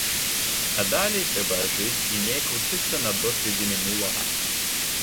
А далей трэба жыць і неяк вучыцца на досведзе мінулага.